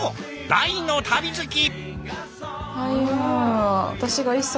大の旅好き。